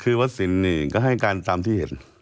คือวัดสินนี่ก็ให้การตามที่เห็น